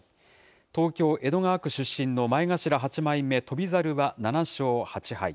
東京・江戸川区出身の前頭８枚目、翔猿は７勝８敗。